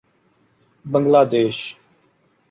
بنگلہ دیش